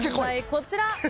こちら。